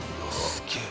すげえ。